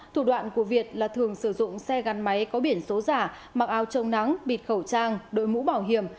thủ đoạn của việt là thường sử dụng xe gắn máy có biển số giả mặc áo trông nắng bịt khẩu trang đội mũ bảo hiểm